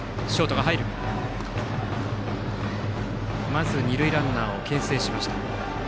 まず二塁ランナーをけん制しました。